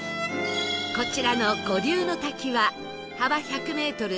こちらの五竜の滝は幅１００メートル